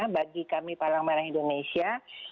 bagi kami palang merah indonesia